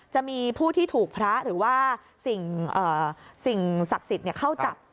จะมีผู้ที่ถูกพระหรือว่าสิ่งศักดิ์สิทธิ์เข้าจับ